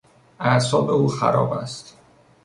اعصاب او خراب است.